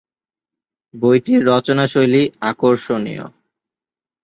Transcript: বইটির রচনাশৈলী আকর্ষণীয়।